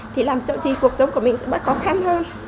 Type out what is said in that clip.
thì làm cho thì cuộc sống của mình sẽ bớt khó khăn hơn